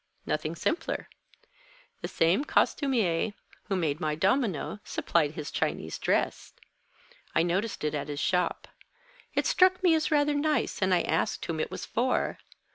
Nothing simpler. The same costumier who made my domino, supplied his Chinese dress. I noticed it at his shop. It struck me as rather nice, and I asked whom it was for.